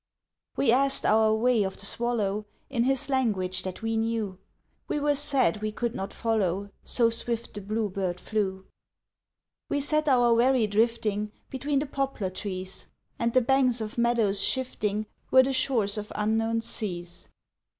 We asked our way of the swallow In his language that we knew, We were sad we could not follow So swift the blue bird flew. We set our wherry drifting Between the poplar trees, And the banks of meadows shifting Were the shores of unknown seas.